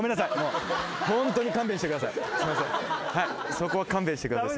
そこは勘弁してください。